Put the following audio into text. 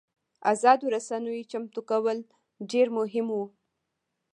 ازادو رسنیو چمتو کول ډېر مهم وو.